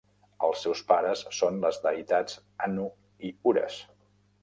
Els seus pares són les deïtats Anu i Uras.